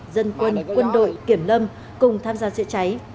dân quân quân đội kiểm lâm cùng tham gia chữa cháy